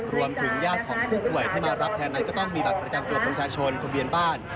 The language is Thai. รวมถึงญาติของผู้ป่วยที่มารับแทนนั้นก็ต้องมีบัตรประจำตัวประชาชนทะเบียนบ้าน